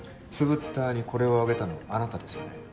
つぶったーにこれをあげたのあなたですよね？